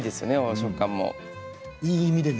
食感もね。